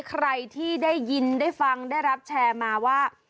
ใครที่ได้ยินได้ฟังได้รับแชร์มาว่า